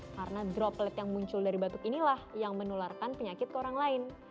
karena droplet yang muncul dari batuk inilah yang menularkan penyakit ke orang lain